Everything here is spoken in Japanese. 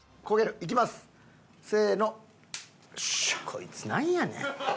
こいつなんやねん。